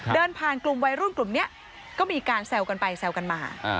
เดินผ่านกลุ่มวัยรุ่นกลุ่มนี้ก็มีการแซวกันไปแซวกันมา